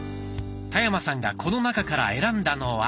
田山さんがこの中から選んだのは